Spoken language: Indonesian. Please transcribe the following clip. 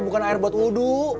bukan air buat wudhu